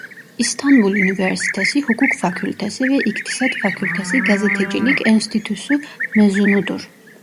İstanbul Üniversitesi Hukuk Fakültesi ve İktisat Fakültesi Gazetecilik Enstitüsü mezunudur.